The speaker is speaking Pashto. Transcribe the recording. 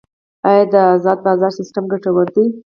آیا د ازاد بازار سیستم ګټور دی؟